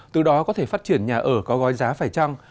từ đó có thể phát triển nhà ở có gói giá phải trăng